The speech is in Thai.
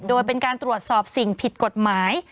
โดยเป็นการตรวจสอบสิ่งผิดกฎหมาย